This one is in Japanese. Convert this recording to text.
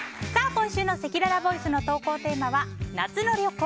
今週のせきららボイスの投稿テーマは夏の旅行！